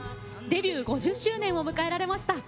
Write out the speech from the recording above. デビュー５０周年を迎えられました。